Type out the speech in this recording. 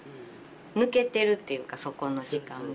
抜けてるっていうかそこの時間が。